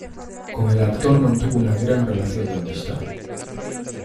Con el actor mantuvo una gran relación de amistad.